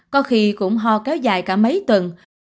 có khi cũng ho kéo dài cả mấy tuần